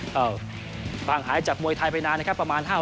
ห่างหายจากมวยไทยไปนานนะครับประมาณ